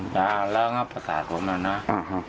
ยาเลิงประศาจผมนะครับ